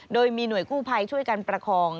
โดยมีหน่วยกู้ภัยช่วยกันประคอง